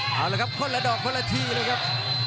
เอาละครับคนละดอกคนละทีเลยครับ